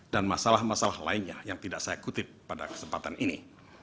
dan masalah masalah lainnya yang tidak saya kutip pada kesempatan ini